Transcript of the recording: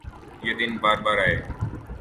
یہ دن بار بارآۓ